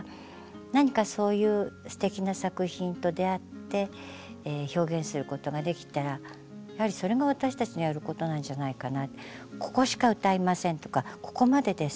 何かそういうすてきな作品と出会って表現することができたらそれが私たちのやることなんじゃないかな。